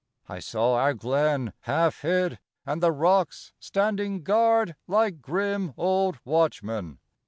I saw our glen, half hid, and the rocks Standing guard like grim old watchmen.